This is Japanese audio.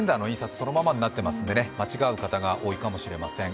そのままになってますんでね、間違う方が多いかもしれません。